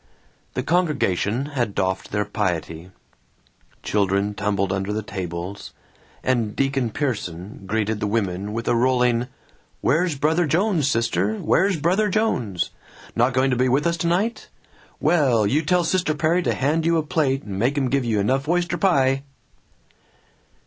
The congregation had doffed their piety. Children tumbled under the tables, and Deacon Pierson greeted the women with a rolling, "Where's Brother Jones, sister, where's Brother Jones? Not going to be with us tonight? Well, you tell Sister Perry to hand you a plate, and make 'em give you enough oyster pie!"